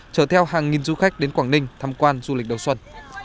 chở theo hàng nghìn du khách đến quảng ninh thăm quan du lịch đầu xuân